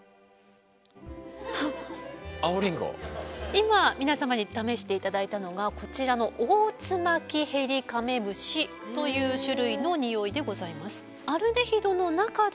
今皆様に試して頂いたのがこちらのオオツマキヘリカメムシという種類のニオイでございます。